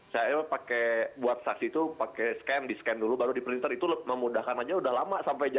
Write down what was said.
saya pakai buat saksi itu pakai scan di scan dulu baru di printer itu memudahkan aja udah lama sampai jam